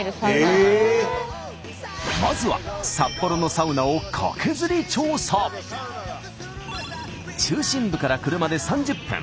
まずは中心部から車で３０分。